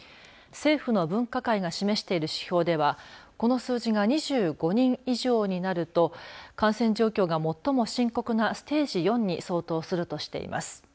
政府の分科会が示している指標ではこの数字が２５人以上になると感染状況が最も深刻なステージ４に相当するとしています。